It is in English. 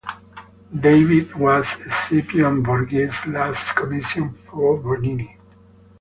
"David" was Scipione Borghese's last commission for Bernini.